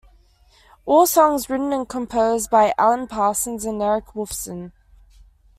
All songs written and composed by Alan Parsons and Eric Woolfson.